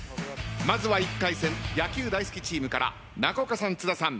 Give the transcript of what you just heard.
まずは１回戦野球大好きチームから中岡さん津田さん